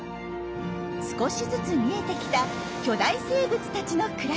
少しずつ見えてきた巨大生物たちの暮らし。